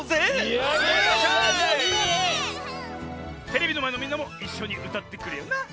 テレビのまえのみんなもいっしょにうたってくれよな。